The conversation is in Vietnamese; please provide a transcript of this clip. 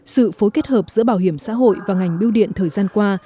sự phối kết hợp giữa bảo hiểm xã hội và ngành biêu điện thời gian qua